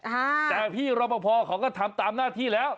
แต่พี่รอปภเขาก็ทำตามหน้าที่แล้ว